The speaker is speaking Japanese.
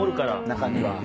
中には。